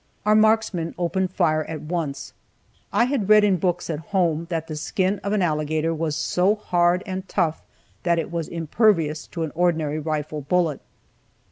Our marksmen opened fire at once. I had read in books at home that the skin of an alligator was so hard and tough that it was impervious to an ordinary rifle bullet.